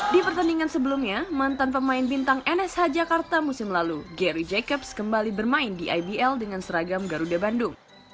di pertandingan sebelumnya mantan pemain bintang nsh jakarta musim lalu gary jacobs kembali bermain di ibl dengan seragam garuda bandung